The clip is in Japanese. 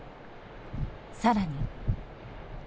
更に。